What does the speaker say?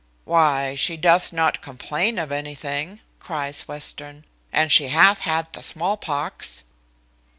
"Why, she doth not complain of anything," cries Western; "and she hath had the small pox."